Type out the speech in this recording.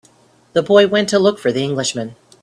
The boy went to look for the Englishman.